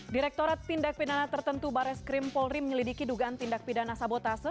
direkturat tindak pidana tertentu bareskrim polri menyelidiki dugaan tindak pidana sabotase